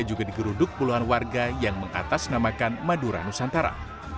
juga digeruduk puluhan warga yang mengatasnamakan madura nusantara